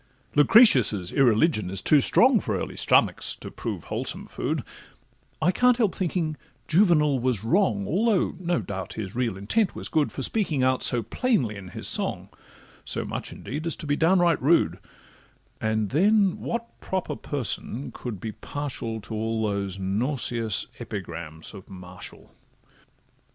Lucretius' irreligion is too strong, For early stomachs, to prove wholesome food; I can't help thinking Juvenal was wrong, Although no doubt his real intent was good, For speaking out so plainly in his song, So much indeed as to be downright rude; And then what proper person can be partial To all those nauseous epigrams of Martial?